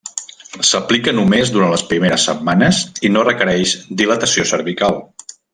S'aplica només durant les primeres setmanes i no requereix dilatació cervical.